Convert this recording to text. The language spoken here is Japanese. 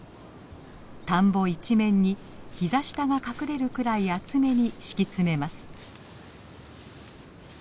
田んぼ一面に膝下が隠れるくらい厚めに敷き詰めます。